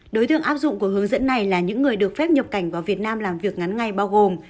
đối tượng áp dụng của hướng dẫn này là những người được phép nhập cảnh vào việt nam làm việc ngắn ngày bao gồm